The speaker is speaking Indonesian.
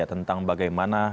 tentang bagaimana jalankan